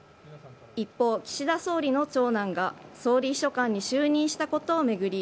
一方、岸田総理の長男が総理秘書官に就任したことを巡り